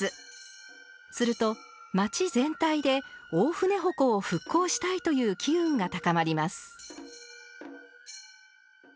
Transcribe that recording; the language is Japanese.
すると、町全体で「大船鉾を復興したい」という機運が高まります。